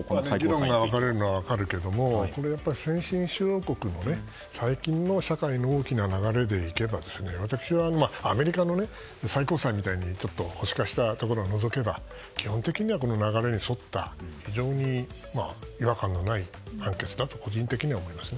議論が分かれるのは分かるけれども先進首脳国の最近の社会の大きな流れで行けば私は、アメリカの最高裁みたいに保守化したところを除けば基本的には流れに沿った違和感のない判決だと思います。